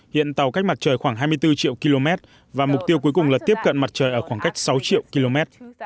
hiện tàu cách mặt trời khoảng hai mươi bốn triệu km và mục tiêu cuối cùng là tiếp cận mặt trời ở khoảng cách sáu triệu km